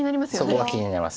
そこが気になります。